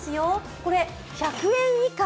これ１００円以下。